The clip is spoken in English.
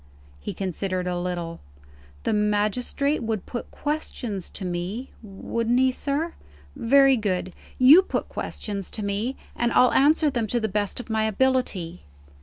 He considered a little. "The magistrate would put questions to me wouldn't he, sir? Very good. You put questions to me, and I'll answer them to the best of my ability."